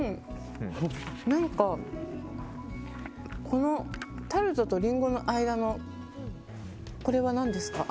このタルトとリンゴの間のこれは何ですか？